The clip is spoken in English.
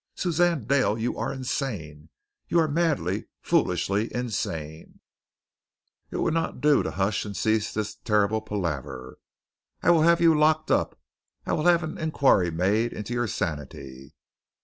Suzanne Dale, you are insane. You are madly, foolishly insane. If you do not hush and cease this terrible palaver, I will have you locked up. I will have an inquiry made into your sanity.